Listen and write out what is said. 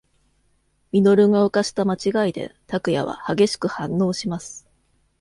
みのるが犯した間違いで、たくやは、激しく反応します。